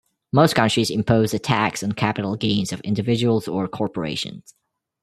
Most countries impose a tax on capital gains of individuals or corporations.